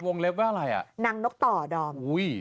วงเล็บว่าอะไรอะนางนกต่อดอม